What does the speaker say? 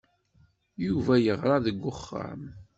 Yuba yeɣra deg uxxam.